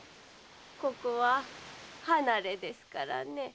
ここは離れですからね。